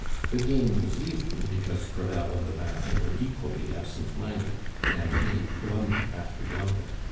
The game was even, because Crevel and the Baron were equally absent minded, and made blunder after blunder.